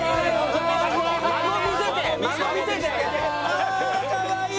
ああかわいい！